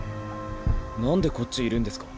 なんでこっちいるんですか？